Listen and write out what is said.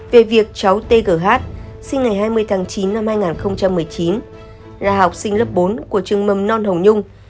về việc cháu t g h sinh ngày hai mươi tháng chín năm hai nghìn một mươi chín là học sinh lớp bốn của trường mâm non hồng nhung